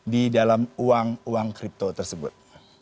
di dalam uang uang kripto tersebut